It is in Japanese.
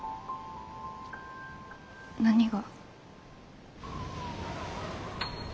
何が？